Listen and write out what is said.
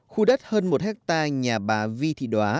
khu đất hơn một hectare nhà bà vi thị đoá